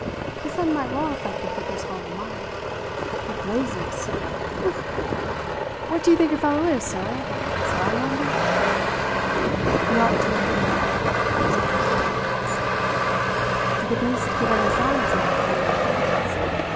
"The sun might well affect a thicker skull than mine. It blazes. Phew! What do you think a fellow is, sir a salamander?" "You ought to have been here," observed Mr. Jones. "Did the beast give any signs of wanting to prance?"